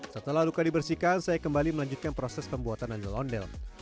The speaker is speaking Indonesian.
setelah luka dibersihkan saya kembali melanjutkan proses pembuatan ondel ondel